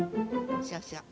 そうそう。